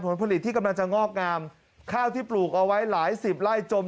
ผลผลิตที่กำลังจะงอกงามข้าวที่ปลูกเอาไว้หลายสิบไร่จม